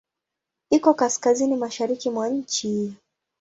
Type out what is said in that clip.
Iko Kaskazini mashariki mwa nchi.